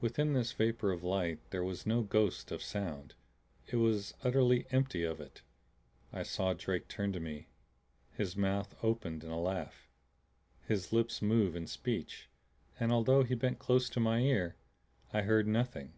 Within this vapor of light there was no ghost of sound; it was utterly empty of it. I saw Drake turn to me, his mouth open in a laugh, his lips move in speech and although he bent close to my ear, I heard nothing.